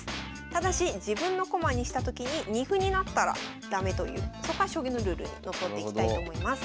ただし自分の駒にしたときに二歩になったら駄目というそこは将棋のルールにのっとっていきたいと思います。